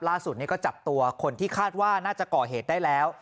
ล่าสุดก็จับตัวคนที่คาดว่าน่าจะก่อเหตุได้แล้ว